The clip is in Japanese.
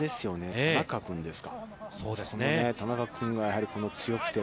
田中君ですか。